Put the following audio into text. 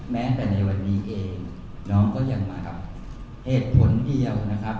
แม้แต่ในวันนี้เองน้องก็ยังมากับเหตุผลเดียวนะครับ